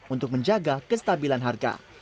untuk menjaga kestabilan harga